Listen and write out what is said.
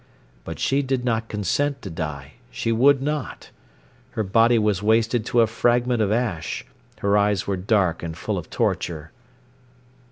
But she did not consent to die; she would not. Her body was wasted to a fragment of ash. Her eyes were dark and full of torture.